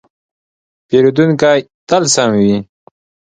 پیرودونکی تل سم وي.